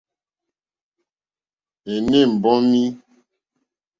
Ènê mbɔ́mí.